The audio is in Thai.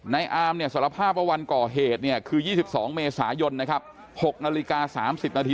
อามเนี่ยสารภาพว่าวันก่อเหตุเนี่ยคือ๒๒เมษายนนะครับ๖นาฬิกา๓๐นาที